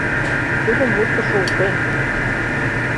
Тудым вурсышо уке.